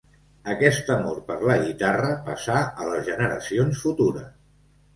Aquest amor per la guitarra passà a les generacions futures.